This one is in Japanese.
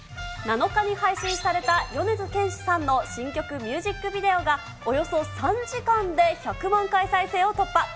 ７日に配信された米津玄師さんの新曲ミュージックビデオがおよそ３時間で１００万回再生を突破。